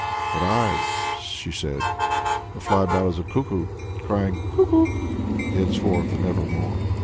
"But I," she said, "will fly about as a cuckoo, crying 'Cuckoo!' henceforth and evermore!"